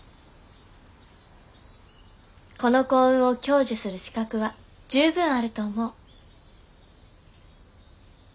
この幸運を享受する資格は十分あると思う。